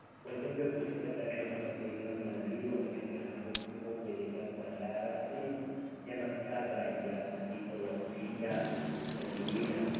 Wajumbe kutoka takribani mataifa mia mbili wamepiga hatua kidogo kuelekea kuandaa rasimu ya mkataba wa kimataifa wa kulinda mazingira